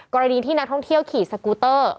กรณีที่นักท่องเที่ยวขี่สกูเตอร์